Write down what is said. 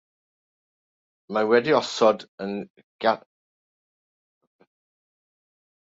Mae wedi'i osod yn gyfechelin gyda lleolwr pellter optig.